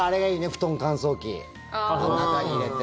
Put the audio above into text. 布団乾燥機、中に入れて。